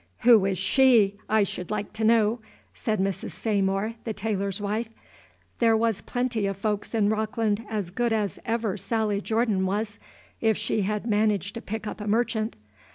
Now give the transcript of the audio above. "Who is she, I should like to know?" said Mrs. Saymore, the tailor's wife. "There was plenty of folks in Rockland as good as ever Sally Jordan was, if she had managed to pick up a merchant.